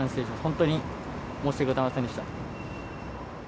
本当に申し訳ございませんでした。